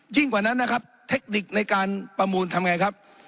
กว่านั้นนะครับเทคนิคในการประมูลทำไงครับ